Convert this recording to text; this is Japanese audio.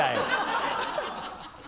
ハハハ